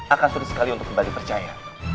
akan sulit sekali untuk kembali percaya